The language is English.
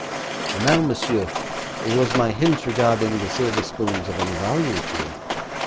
And now, monsieur, was my hint regarding the silver spoons of any value to you?'